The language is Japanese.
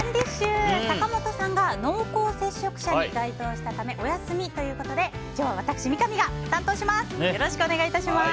坂本さんが濃厚接触者に該当したためお休みということで今日は私、三上が担当します。